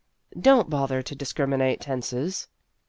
" Don't bother to discriminate tenses."